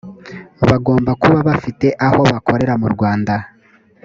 bagomba kuba bafite aho bakorera mu rwanda